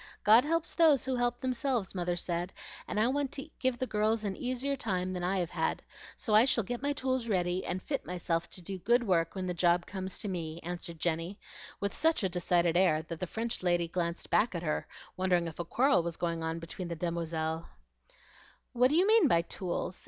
God helps those who help themselves, mother says, and I want to give the girls an easier time than I have had; so I shall get my tools ready, and fit myself to do good work when the job comes to me," answered Jenny, with such a decided air that the French lady glanced back at her, wondering if a quarrel was going on between the demoiselles. "What do you mean by tools?"